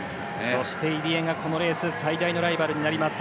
そして入江がこのレース最大のライバルとなります